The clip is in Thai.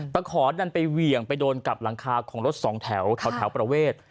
ขอดันไปเหวี่ยงไปโดนกับหลังคาของรถสองแถวประเวท